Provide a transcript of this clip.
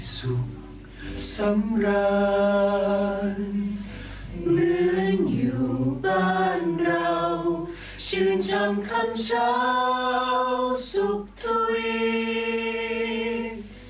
สุขสำราญเหมือนอยู่บ้านเราชื่นชมครับเช้าสุขทวีน